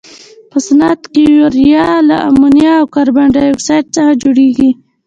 په صنعت کې یوریا له امونیا او کاربن ډای اکسایډ څخه جوړیږي.